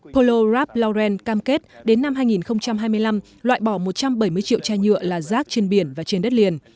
polo rapp lauren cam kết đến năm hai nghìn hai mươi năm loại bỏ một trăm bảy mươi triệu chai nhựa là rác trên biển và trên đất liền